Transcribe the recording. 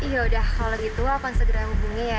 yaudah kalau gitu aku akan segera hubungi ya